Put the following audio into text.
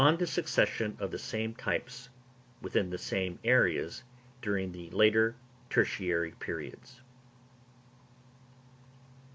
_On the Succession of the same Types within the same Areas, during the later Tertiary periods.